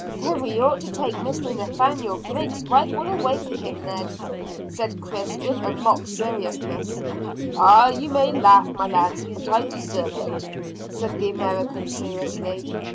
"Then we ought to take Mr Nathaniel Griggs' rifle away from him, Ned," said Chris, with mock seriousness. "Ah, you may laugh, my lads, but I deserve it," said the American seriously.